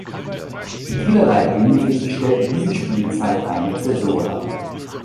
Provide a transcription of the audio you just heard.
In vielerlei Hinsicht stellte diese Spielzeit eine Zäsur dar.